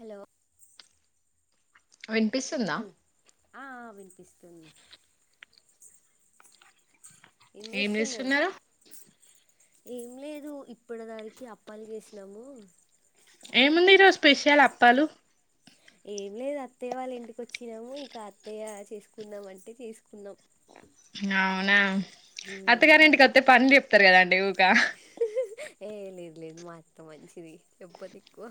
Hello వినిపిస్తుందా? Hello ఆ ఆ వినిపిస్తుంది. ఏం చేస్తున్నారు? ఏం లేదు. ఇప్పటి దరికి అప్పాలు చేసినాము. ఏముంది ఈరోజు? స్పెషల్ అప్పాలు? ఏం లేదు. అత్తయ్య వాళ్ ఇంటికి వచ్చినాము ఇక అత్తయ్య చేసుకుందాం అంటే తీసుకున్నాం. అవునా! అత్తగారి ఇంటికత్తే, పనులు చెప్తారు కదండి ఊక! ఏ లేదు. లేదు. మా అత్త మంచిది. చెప్పదు ఎక్కువ.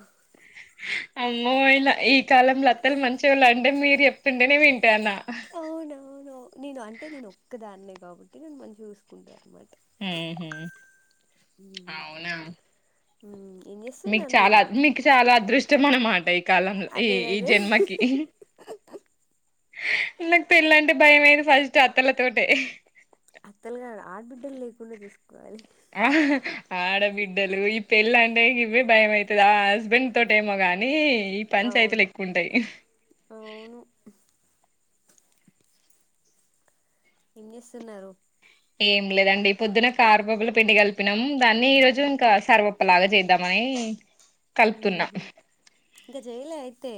అమ్మో ఇలా, ఈ కాలంల అత్తల్ మంచోల్ అంటే మీరు ఎప్పుంటేనే విన్ టాన్న. అవునవును నేను. అంటే, నేను ఒక్కదాన్నే కాబట్టి, నన్ను మంచిగా చూసుకుంటా మ్హు ఉమ్ అవునా! ఉమ్, ఏం మీకు చేస్తున్నారు చాలా, మీరు మీకు చాలా అదృష్టం అన్నమాట. ఈ కాలంలో, ఈ అదే ఈ అదే జన్మకి. నాకు పెళ్ళంటే భయమయింది, ఫస్ట్ అత్తలతోటె. అత్తలుగాదు. ఆడబిడ్డలు లేకుండా చూసుకోవాలి. ఆ ఆడబిడ్డలు. ఈ పెళ్ళ అంటే ఇవే భయం అయితది ఆ హస్బెండ్ తోటేమోగా కానీ, ఈ పంచాయతీలు అవును ఎక్కువ ఉంటాయి. అవును ఏం చేస్తున్నారు? ఏం లేదండి. పొద్దున కార్పబల పిండి కలిపినం. దాన్ని, ఈ రోజు ఇంకా సర్వప్ప లాగా చేద్దామని, నీ కలుపుతున్నా. ఊహు ఇంకా జైలే అయితే.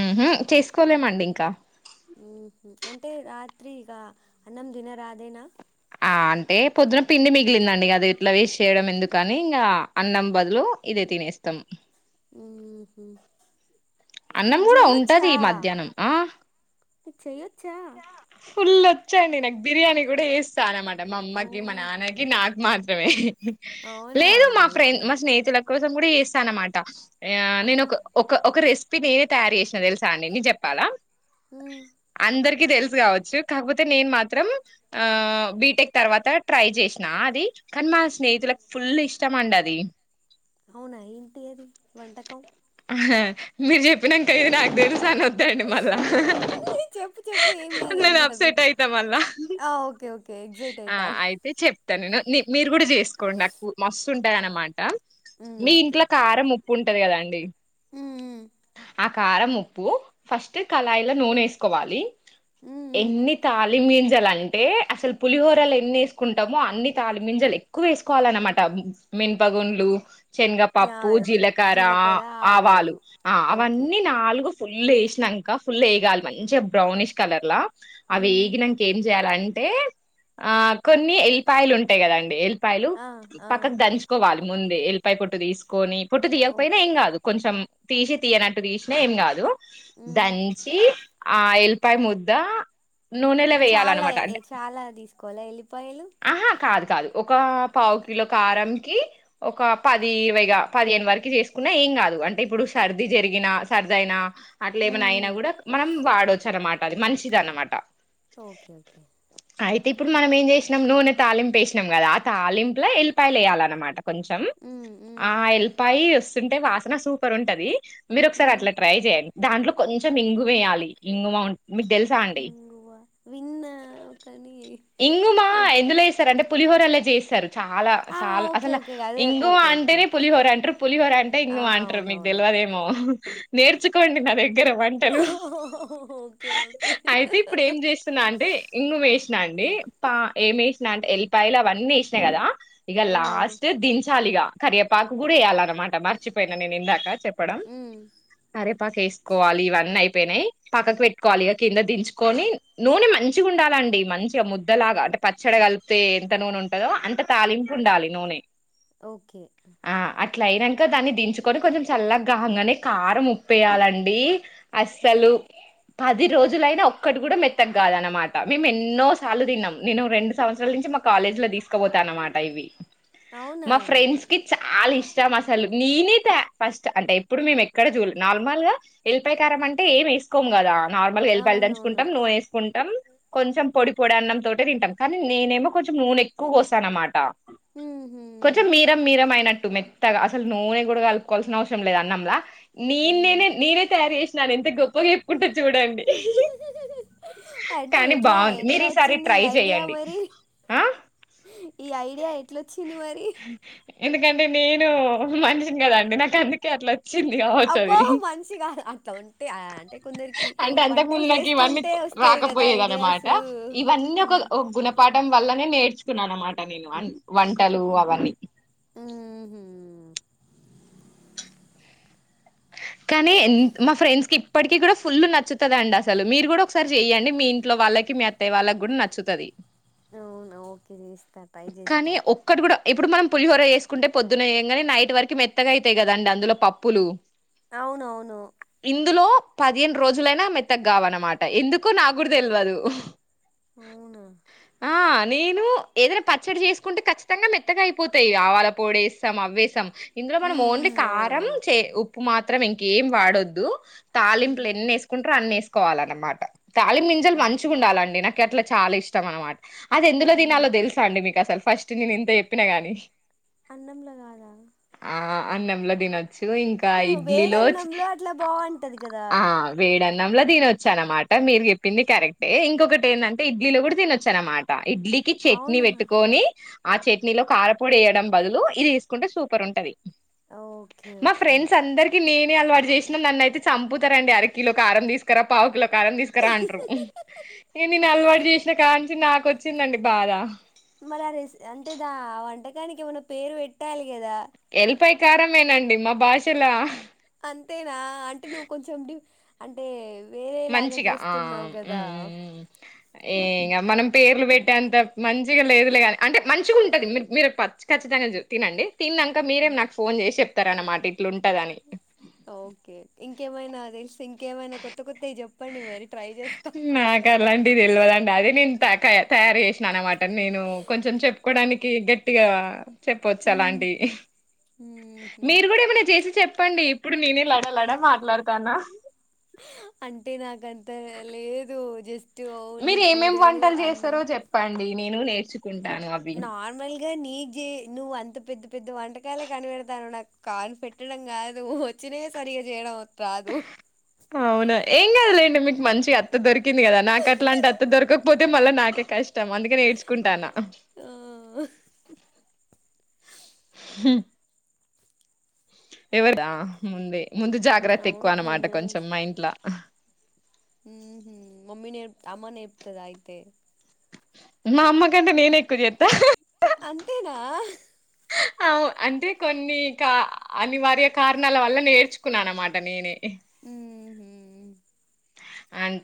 మ్ హు చేసుకోలేమండి ఇంక. త్రీ క. అన్నం తినరా! అదేనా? ఆ అంటే పొద్దున పిండి మిగిలిందండి. అది ఇట్ల వేస్ట్ చేయడం ఎందుకని ఇంకా, అన్నం బదులు ఇది తినేస్తం. ఊహు అన్నం నీకు కూడ ఉంటది మధ్యాహ్నం. ఆ. ఇది చేయొచ్చా? ఫుల్ వచ్చండి నాకు. బిర్యానీ కూడా వేస్తా అనమా మా ఓ అమ్మకి, మా మై నాన్నకి నాకు మాత్రమే. అవునా లేదు మా ఫ్రెండ్, గ్రేటే మా స్నేహితులకు కోసం కూడ చేస్తా అనమాట. ఆ ఊ నేను ఒక ఒక రెసిపీ నేర్ తయారు చేసిన తెలుసా అండి నిక్ చెప్పాలా? ఊ అందరికి తెలుసు కావచ్చు. కాకపోతే, నేను మాత్రం ఆ బీటెక్ తర్వాత ట్రై చేసిన అది. కానీ మా స్నేహితులకు ఫుల్ ఇష్టం అండి అది. అవునా ఏంటి అది వంటకం? మీరు చెప్పినంక, అయ్యో నాకు తెలుసు అనొద్దండి మళ్ళా. చెప్పు. ఏం కాదు. ఏం నేను కాదు. అప్సెట్ అయితా మళ్ళా ఆ ఓకె. ఆ అయితే చెప్తా నేను. మీ మీరు కూడా చేసుకోండి నాకు మస్తుంటదన్నమా ట. ఊ మీ ఓకే ఇంట్లో కారం, ఉప్పు ఉంటది కదా అండి! ఊ ఆ కారం, ఉప్పు. ఫస్ట్ కళాయిలో నూనేసుకోవాలి. ఊ ఊ ఊ ఎన్ని తాలిమింజలంటే, అసలు పులిహోరల ఎన్ని వేసుకుంటామో, అన్ని తాళిమింజలు ఎక్కువ వేసుకోవాలన్నమాట. మిన్పగుండ్లు చా శనగపప్పు, జీలకర్ర, ఆవాలు ఆ ఓకే అవన్నీ నాలుగు ఫుల్ వేసినంక, ఫుల్ ఏగాలి. మంచిగా బ్రౌనిష్ కలర్ ల అవి ఉమ్ ఏగినంక ఏం చేయాలన్ తే, ఆ కొన్ని ఎల్లిపాయలు ఉంటాయి కదండి! ఎల్లిపాయలు. ఆ ఆ పక్కకు దంచుకోవాలి. ముందే ఎల్లిపాయ పొట్టు తీసుకొని, పొట్టు తీయకపోయినా ఓకే ఏం కాదు. కొంచెం తీసి తీయనట్టు తీసినా, ఏం కాదు. ఉమ్ దంచి ఆ ఎల్లిపాయ ముద్ద నూనెలో వేయాలన్నమాట. అంటే, అలా తీసుకోవాల ఎల్లిపాయలు? ఆహా కాదు కాదు ఒక పావు కిలో కారం కి ఒక పది ఇరవైగా పదిహేను వరకు చేసుకు ఏం కాదు అంటే ఇప్పుడు సర్ది జరిగినా సర్దయినా అట్లా ఉమ్ ఏమనా అయినా ఉమ్ కూడా మనం వాడవచ్చు అన్నమాట అది మంచిది అన్నమాట ఓకే ఓకే అయితే ఇప్పుడు మనం ఏం చేసినాం నూనె తాలింపు వేసినం కదా ఆ తాలింపులో ఎల్లిపాయలు వేయాలన్నమాట కొంచెం ఉమ్ ఉమ్ ఆ టెల్లిపాయి వస్తుంటే వాసన సూపర్ ఉంటది మీరు ఒకసారి ఉమ్ అట్లా ట్రై చేయండి దాంట్లో కొంచెం ఇంగు వేయాలి ఇంగుమా మీకు తెలుసా అండి ఇంగువ విన్నా కానీ ఇంగమా ఎప్పుడు ఎందులోస్తారంటే పులిహోరలా చేస్తారు చాలా ఆ చాలా ఓకే అసలు ఓకే అదే ఇంగుమా ఓకే ఓకే అంటేనే పులిహోర అంటారు పులిహోర అంటే ఆ ఇంగుమా అంటారు మీకు అవునవును తెలవ దేమో నేర్చుకోండి నాద దగ్గర వంటలు ఓకే ఓకే అయితే ఇప్పుడు ఏం చేస్తున్నా అంటే ఇంగుమా వేసినా అండి పా ఏం వేసినా అంటే ఎల్లిపాయలు అవన్నీ వేసినా కదా ఇగా ఆ లాస్ట్ దించాలి ఇగా కరియేపాకు కూడా వేయ్యాలన్నమాట మర్చిపోయిన నేను ఇందాక చెప్పడం ఉమ్ కరివేపాకు వేసుకోవాలి ఇవన్నీయిపో యినాయి పక్కకు పెట్టుకోవాలి కింద దించుకొని నూనె మంచి మంచిగా ఉండాలండి మంచిగా ముద్దలాగా అంటే పచ్చడి కలిపితే ఎంత నూనె ఉంటందో అంత తాలింపు ఉండాలి నూనె ఓకే అట్ల అయినంక దాన్ని దించుకొని కొంచెం చల్లగా కాంగానే కారం ఉప్పేయాలండి అస్సలు ఉమ్ పది రోజులైనా ఒక్కటి కూడా మెత్తగా కాదన్నమాట మేము ఎన్నో సార్లు తిన్నాం నేను రెండు సంవత్సరాల నుంచి మా కాలేజీ లో తీసుకపోతా అన్నమాట ఇవి అవునా మా ఫ్రెండ్స్ కి చా లా ఇష్టం అసలు నేనే త ఫస్ట్ అంటే ఎప్పుడు మేము ఎక్కడ చూడ నార్మల్ గా ఎల్లిపాయి కారం అంటే ఏం వేసుకోం కదా నార్మల్గా ఎల్లిపాయ అవునవును దంచుకుంటాం నూనె వేసుకుంటాం కొంచెం పొడి పొడి అన్నం తోటే తంటాం కానీ నేనేమో కొంచెం నూనెక్కువ పోస్తా అన్నమాట ఉహు కొంచెం మీరం మీరం అయినట్టు మెత్తగా అసలు నూనె కూడా కలుపుకోవాల్సిన అవసరం లేదు అన్నంలా నేేను ఉమ్ నేనే తయారు చేసినా అని ఎంత గొప్పగా చెప్పుకుటు చూడండి అంటే కానీ ఎట్లా బాగుంది ఎట్లా మీరు ఈసారి వచ్చింది ఈ ట్రై ఐడియా చెయ్యండి మరి ఆ ఈ ఐడియా వచ్చింది మరి ఎందుకంటే నేను మనిషిని కదాండి నాకు అందుకే అట్లా చ్చింది కావచ్చు అబ్బో అది మనిషి కాదు అట్లా ఉంటే ఆ, అంటే కొందరికి అంటే వంటలు అంతకుముందు నాకు ఇవన్నీ చేస్తుంటే వస్తాయి కదా రాకపోయేది ఐడియాస్ అన్నమాట ఇవన్నీ ఒక మ్మ్. ఓ గుణపాఠం వల్లనే నేర్చుకున్నాను అన్నమాట నేను వంటలు అవన్నీ ఉహు కానీ మా ఫ్రెండ్స్కి ఇప్పటికీ కూడా ఫుల్లు నచ్చుతుంది అండి అసలు మీరు కూడా ఒకసారి చెయ్యండి మీ ఇంట్లో వాళ్ళకి మీ అత్తయ్య వాళ్ళకి కూడా నచ్చుతది అవునా ఓకే చేస్తా ట్రై కానీ చేస్తా ఒక్కటి కూడా ఇప్పుడు మనం పులిహోర చేసుకుంటే పొద్దున చేయంగనే నైట్ వరకు మెత్తగా అవుతయి కదండి అందులో పప్పులు అవునవును ఇందులో పదిహేను రోజులైనా మెత్తగా కావు అన్నమాట ఎందుకో నాక్కూడా తెల్వదు అవునా ఆ! నేను ఏదైనా పచ్చడి చేసుకుంటే ఖచ్చితంగా మెత్తగా అయిపోతాయి ఆవాల పొడేస్తాం అవ్వేసాం ఇందులో మనం మ్మ్, ఓన్లీ మ్మ్, కారం అవునవును చే ఉప్పు మాత్రంమే ఇంకేం వాడొద్దు తాలింపులు మ్మ్. ఎన్ని వేసుకుంటారో అన్ని వేసుకోవాలన్నమాట తాలిం గింజలు ఓకే. మంచిగా ఉండాలండి నాక్ అట్లా చాలా ఇష్టం అన్నమాట అది ఎందులో మ్మ్. తినలో తెలుసు మీ అసలు ఫస్ట్ నేను ఇంత చెప్పినా గాని అన్నంలా కాదా ఆ! అన్నంలో తినొచ్చు ఇంకా ఉ, ఇడ్లీలో వేడన్నంలో అట్లా బాగుంటది కదా వేడి అన్నంలో తనిొచ్చానన్నమాట మీరు చెప్పింది కరెక్టే ఇంకొకటి ఏంటంటే ఇడ్లీలో కూడా తినొచ్చానన్నమాట ఇడ్లీకి చట్నీ అవునా పెట్టుకొని ఆ చట్నీలో కారపొడి వేయడం బదులు ఇది తీసుకుంటే సూపర్ ఉంటది ఓకే మా ఓకే ఫ్రెండ్స్ అందరికి నేను అలవాటు చేసినా నన్ను అయితే చంపుతారండి అరకిలో ఒక కారం తీసుకురా పావుకులకు కాలం తీసుకురా అంటారు ఇ నేను అలవాటు చేసిన కా నుంచి నాకు వచ్చిందండి బాధ మరి ర అంటే దా వంటకానికి ఏమైన్నా పేరు పెట్టాలి కదా పై కారంమేనండి మా భాషలా అంతేనా అంటే నువ్వు కొంచెం అంటే వేరేలాగా మంచిగా ఆ చేస్తున్నావు కదా ఏం మనం పేర్లు పెట్టే అంత మంచిగా లేదులేగాని అంటే మంచిగా ఉంటది మీరు ఖచ్చిత తినండి తినాక మీరేం నాకు ఫోన్ చేసి చెప్తార అన్నమాట ఇట్లుంటదని ఓకే ఇంకేమైనా తెలుసు ఇంకేమైనా కొత్త కొత్త ఇవి చెప్పండి మరి ట్రై చేస్తా నాకు అలాంటి తెలియదండి అది నే త తయారు చేసినా అనమాట నేను కొంచెం చెప్పుకోవడానికి గట్టిగా చెప్పవచ్చు మ్మ్ అలాంటి మ్మ్హ్ మీరు కూడా ఏమైన్నా చేసి చెప్ చెప్పండి ఇప్పుడు నేనే లడ లడ మాట్లాడతానా అంటే నాకంతా లేదు జస్ట్ ఓన్లీ మీరు ఏమేం కూరలు వంటలు చేస్తారో అన్నం చెప్పండి నేను నేర్చుకుంటాను అవి ఇగా నీ జే నువ్వు అంత పెద్ద పెద్ద వంటకాలే కనిపెడతాను నా కాన్ పెట్టడం కాదు చినే సరిగ జయడాా అవునా ఏం కదలేండి మీకు మంచిగా అ అ దొరికింది కదా నాకు అట్లాంటి అత్త దొరకపోతే మళ్ళీ నాకే కష్టం అందుకే నేర్చుకుంటాను ఆ ఎవరి ముందే ముందు జాగ్రత్త అవును ఎక్కువ అనమాట కొంచెం మా ఇంట్లా ఉ మమ్మీ నప్ అమ్మా నప్తేదయితే మా అమ్మ కంటే నేనే ఎక్కువ చేస్తా అంతేనా అ అంటే కొన్ని కా అనివార్య కారణాల వల్ల నేర్చుకున్నాను అనమాట నేనే ఏ ఊహూ అండ్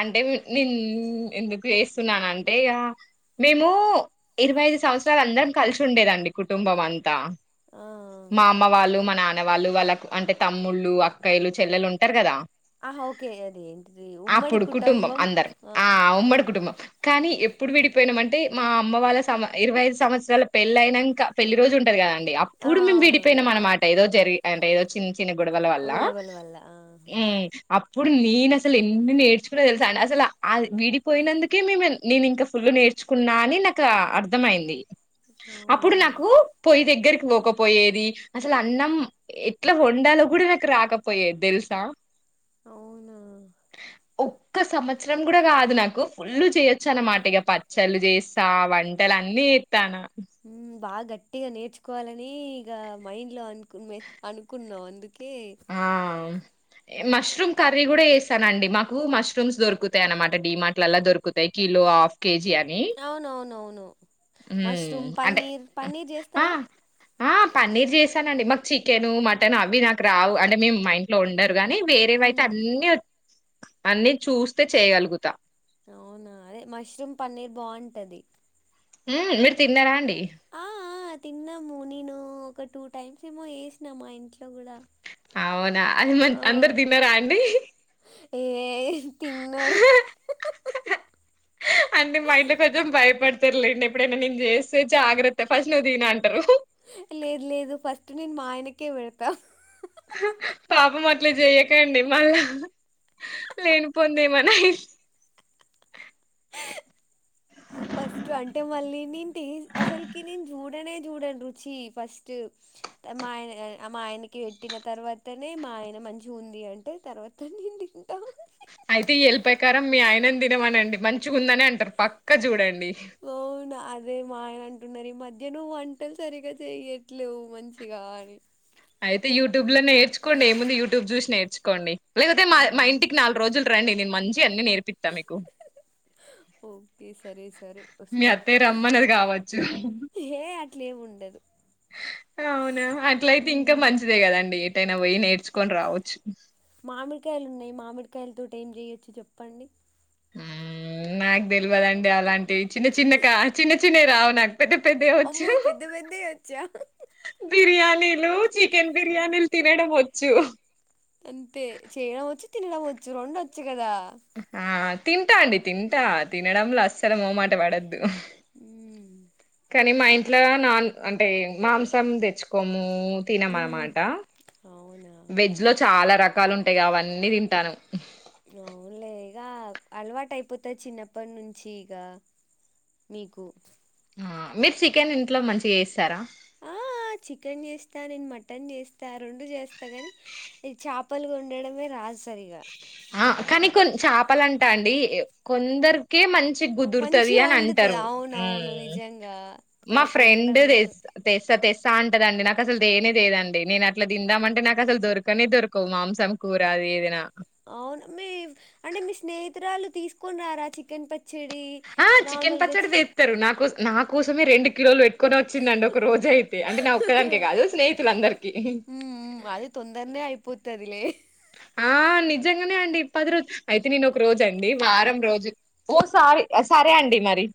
అంటే నేను ఎందుకు చేస్తున్నాన అంటే ఇ మేము ఇరవై ఐదు సంవత్సరలు అందరం కలిసి ఉండేదండి కుటుంబం అంతా ఆ మా అమ్మ వాళ్ళు మా నాన్న వాళ్ళు వాళ్ళకు అంటే తమ్ముళ్ళు అక్కయలు చెల్లెలు ఉంటారు కదా ఆ ఓకే అద ఏంటిది ఉమ్మడి అప్పుడు కుటుంబం కుటబం అందరం ఆ ఉమ్మడి కుటుంబం కానీ ఎప్పుడు విడిపోయినాం అంటే మా అమ్మ వాళ్ళ సమ ఇరవై ఐదు సంవత్సరాల పెళ్లి అయినాక పెళ్లి రోజు ఉంటారు కదా ఆ అప్పుడు మేము అవునవును విడిపోయినాం అనమాట ఏదో జరి అంటే ఏదో చి గొడవలు వల్ల ఆహ ఉమ్ అప్పుడు నేను అసలు ఎన్ని నేర్చుకున్నా తెలుసా అండి అసలు ఆ విడిపోయినందుకే మేము నేను ఇంకా ఫుల్ నేర్చుకున్నా అని నాకు అర్థమయింది అప్పుడు అవునా నాకు పొయ్యి దగ్గ దగ్గరికి పోకపోయేది అసలు అన్నం ఎట్లా వండాలో కూడా నాకు రాకపోయేది తెలుసా అవునా ఒక్క సంవత్సరం కూడా కాదు నాకు ఫుల్ చేయొచ్చు అన్నమాట ఇక పచ్చళ్ చేస్తా వంటలు అన్నీ ఇతానా హ్మ్ బాగా గట్టిగా నేర్చుకోవాలని ఇక మైండ్ లో అనుకు అనుకున్నాం అందుకు ఆ మష్రూమ్ కర్రీ కూడా వేస్తానండి మాకు మష్రూమ్స్ దొరుకుతాయ అనమాట డిమార్ట్లలా దొరుకుతాయి కిలో హాఫ్ కేజీ అని అవునవునవును హ మష్రూమ్ అంటే పన్నీర్ పన్నీర్ ఆ చేస్తావా ఆ పన్నీర్ చేసానండి మాకు చికెను మటన్ అవి నాకు రావు అంటే మేము మా ఇంట్లో ఉండదు కాని వేరేవైతే హ్మ్ అన్నీ అన్నీ చూస్తే చేయగలుగుతా అవునా అదే మష్రూమ్ పన్నీర్ బాగుంటది ఆ మీరు తిన్నారా అండి ఆ ఆ తిన్నాము నేను ఒక టూ టైమ్స్ ఏమో చేసినా మా ఇంట్లో కూడా అవునా అది మరీ ఆ అందరు తిన్నారా అండి ఏ తిన్నారు అంటే మా ఇంట్లో కొంచెం భయపడ్ తెర్లేండి ఎప్పుడైనా నేను చేస్తే జాగ్రత్త ఫస్ట్ ను అంటారు లేదు లేదు ఫస్ట్ నేను మా ఆయనకే పెడుతా పాపం అట్లే చెయకండి మళ్ళా లేని పొంది ఏమన్నా ఫస్ట్ అంటే మళ్ళీ నాన్ టేస్ట్ అసలుకి నేన్ చూడనే చూడను రుచి ఫస్ట్ మా మా ఆయనకి పెట్టిన తర్వాతనే మా ఆయన మంచిగా ఉంది అంటే తర్వాత నేను తింటా అయితే ఈ ఎలి పాయ కారం మీ ఆయనని తినమనండి మంచిగా ఉందనే అంటారు పక్కా చూడండి ఓనా అది అదే మా ఆయన అంటున్నారు ఈ మధ్య నువ్వు వంటలు సరిగ్గా చెయట్లేవు మంచిగా అని అయితే యూట్యూబ్ లోనే నేర్చుకోండి ఏ ముంది యూట్యూబ్ చూసి నేర్చుకోండి లేకపోతే మా ఉమ్, ఇంటికి నాలుగు రోజులు రండి నేను మంచి అన్నిీ నేర్పిస్తా మీకు ఓకే సరే సరే మీ వస్తా అత్తయ్య రమ్మన్నది కావచ్చు ఏ అట్లే ఏమి ఉండదు అవునా అట్లయితే ఇంకా ఉమ్, మంచిదే కదండి ఏటైనా పోయి నేర్చుకొని రావచ్చు మామిడికాయలు ఉన్నాయి మామిడికాయల తోటీ ఏం చేయొచ్చు చెప్పండి ఆ నాకు తెలియదండి అలాంటివి చిన్న చిన్న కా చిన్న చిన్నవి రావు నాకు పెద్ద పెద్ద వి వచ్చు అమ్మో పెద్ద పెద్దవి వచ్చా బిర్యానీ నీలు చికెన్ బిర్యానీలు తినడం వచ్చు అంతే చేయడం వచ్చు తినడం వచ్చు రెండు వచ్చు కదా ఆ తింటా అండి తింటా తినడంలో అస్సలు మోమాట పడద్దు ఉమ్ కానీ మా ఇంట్లో నాన్ అంటే మాంసం తెచ్చుకోము తినం మ్మ్. అన్నమాట అవునా వెజ్ లో చాలా రకాలు ఉంటాయి అవన్నీ తింటాను అవునులే ఇక అలవాటు అయిపోతది చిన్నప్పటి నుంచి ఇక మీకు మీరు చికెన్ ఇంట్లో మంచిగా చేస్తారా ఆ చికెన్ చేస్తా నేను మటన్ చేస్తా రెండు చేస్తా కాని ఇది చాపలుగా వండడమే రాదు సరిగా చాపలంటా అండి కొందరికే మంచి కుదురుతది మంచిగా అని వండుతది అంటారు అవునవును నిజంగా మా నాకు ఫ్రెండ్ వండడం రాదు తె తెస్సా అంటదండి నాకు అసలు దేనేదండి నేను అట్ల తిందామంటే నాకు అసలు దొరకనే దొరకవు మాంసం కూర అది ఏది నా అవును మీ అంటే మీ స్నేహితురాలు తీసుకొని రా రా చికెన్ ప ఆ చికెన్ పచ్చడి చేస్తరు నా కోసం నా కోసమే రెండు కిలోలు పెట్టుకొని వచ్చిందండి ఒక రోజు అయితే అంటే నా ఒక్కదానికే కాదు స్నేహితులు అందరిక ఉమ్ ఉమ్ అది ఆ నిజంగానే అండి పది రోజు అయితే నేను ఒక రోజు అండి వారం రోజు ఓ సారి సరే అండి మరి